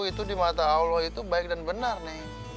itu di mata allah itu baik dan benar nih